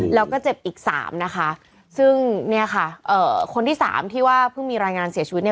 แล้วก็เจ็บอีกสามนะคะซึ่งเนี่ยค่ะเอ่อคนที่สามที่ว่าเพิ่งมีรายงานเสียชีวิตเนี่ย